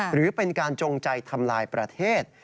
หรือเป็นการจงใจทำลายประเทศ